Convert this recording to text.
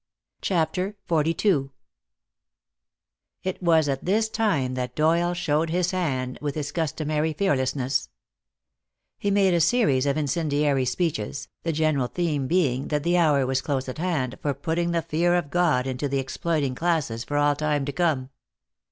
CHAPTER XLII It was at this time that Doyle showed his hand, with his customary fearlessness. He made a series of incendiary speeches, the general theme being that the hour was close at hand for putting the fear of God into the exploiting classes for all time to come.